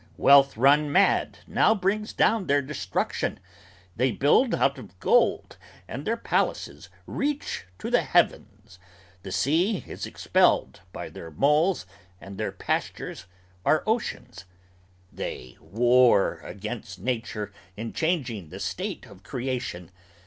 Wealth run mad now brings down their destruction. They build out of gold and their palaces reach to the heavens; The sea is expelled by their moles and their pastures are oceans; They war against Nature in changing the state of creation.